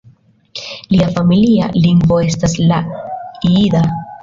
Lia familia lingvo estas la jida.